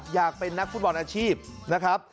อยากเป็นนักฟุตบอลอาชีพนะครับ